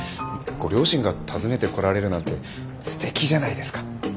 ご両親が訪ねてこられるなんてすてきじゃないですか。